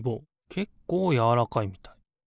けっこうやわらかいみたい。